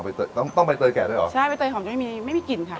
ต้องต้องใบเตยแก่ด้วยเหรอใช่ใบเตยหอมจะไม่มีไม่มีกลิ่นค่ะ